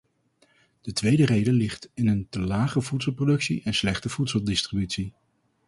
De tweede reden ligt in een te lage voedselproductie en slechte voedseldistributie.